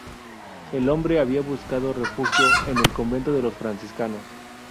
El hombre había buscado refugio en el convento de los franciscanos.